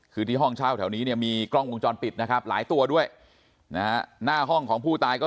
คือที่ห้องเช่าแถวนี้เนี่ยมีกล้องวงจรปิดนะครับหลายตัวด้วยนะฮะหน้าห้องของผู้ตายก็